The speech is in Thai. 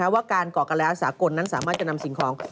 ว่าการก่อการร้ายสากลนั้นสามารถจะนำสิ่งของ